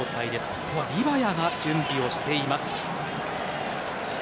ここはリヴァヤが準備しています。